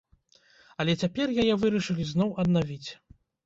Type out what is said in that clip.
Але цяпер яе вырашылі зноў аднавіць.